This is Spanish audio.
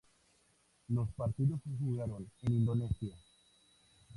Los partidos se jugaron en Indonesia.